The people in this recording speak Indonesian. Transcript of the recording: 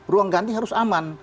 ruang ganti harus aman